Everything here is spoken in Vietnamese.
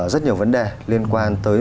rất nhiều vấn đề liên quan tới